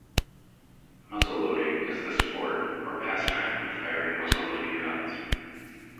Muzzleloading is the sport, or pastime of firing muzzleloading guns.